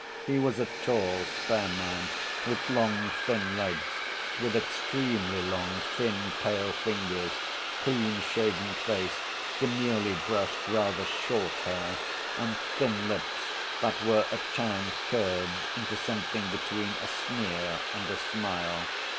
He was a tall, spare man, with long thin legs, with extremely long, thin, pale fingers, clean‐shaven face, demurely brushed, rather short hair, and thin lips that were at times curved into something between a sneer and a smile.